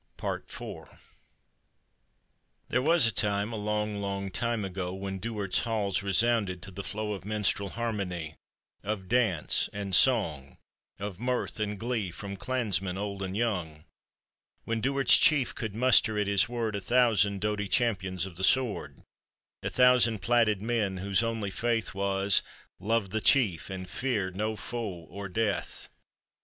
POETRY ON OR ABOUT THE MAC LEANS. 42!» IV. There was a time, a long, long time ago, When Duard's halls resounded to the flow Of minstrel harmony, of dance, and son ,', Of mirth, and glee, from clansmen old and young ; When Duard's chief could muster at his word A thousand doughty champions of the sword, A thousand plaided men whose only faith Was— Love the chief, and fear no foe or death.